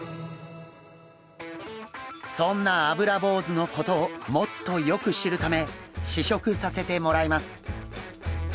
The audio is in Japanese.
そんなアブラボウズのことをもっとよく知るため試食させてもらいます。